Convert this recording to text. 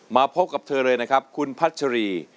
มาพบกับเธอเลยนะครับคุณพัชรี